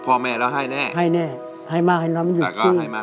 ก็ไม่ได้มีฐานะดีไปกว่า